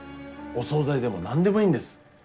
お総菜でも何でもいいんです。